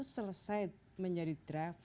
selesai menjadi draft